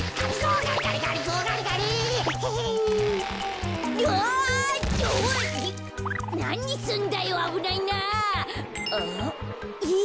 うん！